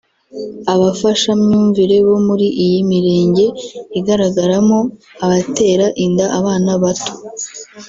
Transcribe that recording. Abafashamyumvire bo muri iyi mirenge igaragaramo abatera inda abana bato